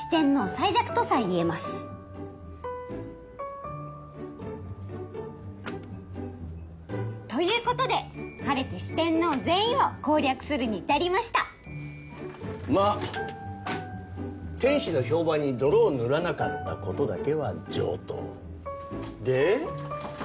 最弱とさえいえますということで晴れて四天王全員を攻略するに至りましたまあ天使の評判に泥を塗らなかったことだけは上等で？